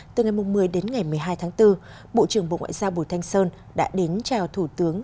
từ ngày một mươi đến ngày một mươi hai tháng bốn bộ trưởng bộ ngoại giao bùi thanh sơn đã đến chào thủ tướng